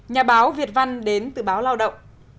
nhà báo việt văn đến từ báo lao động